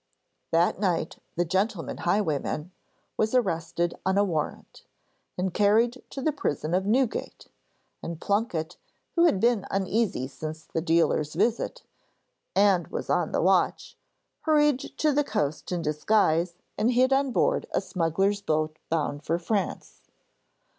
That night the 'gentleman highwayman' was arrested on a warrant, and carried to the prison of Newgate, and Plunket, who had been uneasy since the dealer's visit, and was on the watch, hurried to the coast in disguise and hid on board a smuggler's boat, bound for France.